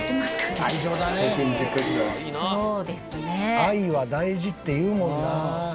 愛は大事っていうもんな。